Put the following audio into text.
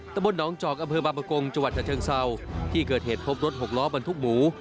ตะบนหนองจอกอำเภอบางประกงจังหวัดชะเชิงเศร้าที่เกิดเหตุพบรถหกล้อบรรทุกหมู